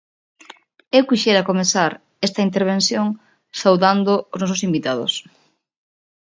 Eu quixera comezar esta intervención saudando os nosos invitados.